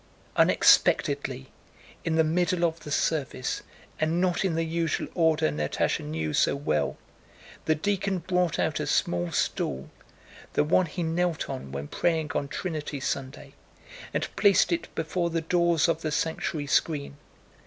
Unexpectedly, in the middle of the service, and not in the usual order Natásha knew so well, the deacon brought out a small stool, the one he knelt on when praying on Trinity Sunday, and placed it before the doors of the sanctuary screen.